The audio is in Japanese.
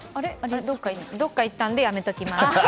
どこか行ったのでやめておきます。